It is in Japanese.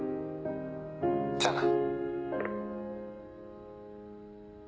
じゃあな。